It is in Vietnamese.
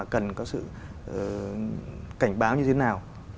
cần có sự cảnh báo như thế nào